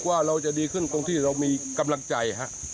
ว่าเราจะดีขึ้นตรงที่เรามีกำลังใจ